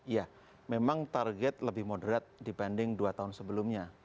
ya memang target lebih moderat dibanding dua tahun sebelumnya